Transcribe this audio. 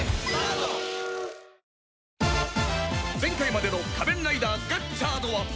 前回までの『仮面ライダーガッチャード』は